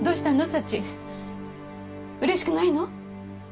サチうれしくないの？